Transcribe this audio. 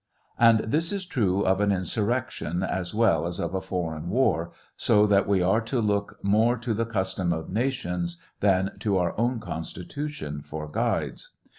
And this is true of an insur rection, as well as of a foreign war, so that we are to look more to the custom of nations than to our own Constitution for guides.